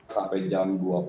sampai jam dua puluh